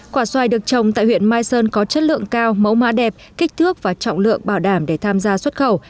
quả xoài được trồng tại huyện mai sơn có chất lượng cao mẫu mã đẹp kích thước và trọng lượng bảo đảm để tham gia xuất khẩu